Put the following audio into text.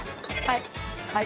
はい。